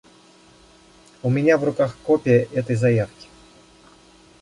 У меня в руках копия этой заявки.